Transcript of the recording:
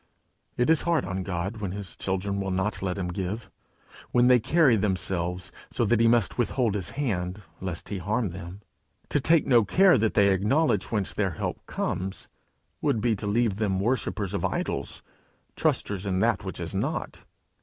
It is hard on God, when his children will not let him give; when they carry themselves so that he must withhold his hand, lest he harm them. To take no care that they acknowledge whence their help comes, would be to leave them worshippers of idols, trusters in that which is not.